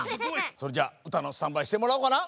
それじゃあうたのスタンバイしてもらおうかな。